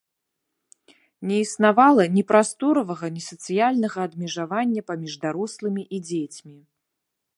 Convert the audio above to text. Не існавала ні прасторавага ні сацыяльнага адмежавання паміж дарослымі і дзецьмі.